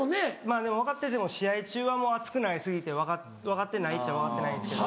でも分ってても試合中はもう熱くなり過ぎて分かってないっちゃ分かってないんですけど。